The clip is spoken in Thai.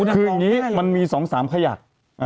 คืออย่างนี้มันมี๒๓ขยัก